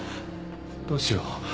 どうしよう？ねえ？